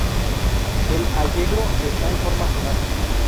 El Allegro está en forma sonata.